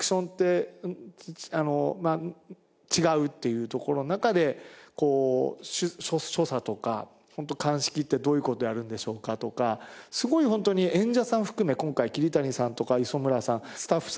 っていうところの中で所作とか「鑑識ってどういう事やるんでしょうか？」とかすごいホントに演者さん含め今回桐谷さんとか磯村さんスタッフさん福田さん